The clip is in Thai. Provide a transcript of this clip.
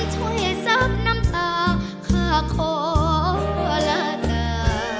ดินช่วยซับน้ำตาข้าขอละจ้า